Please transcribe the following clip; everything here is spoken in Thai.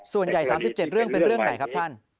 ส่วนใหญ่๓๗เรื่องเป็นเรื่องไหนครับท่าน